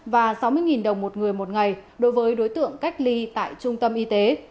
và sáu mươi đồng một người một ngày đối với đối tượng cách ly tại trung tâm y tế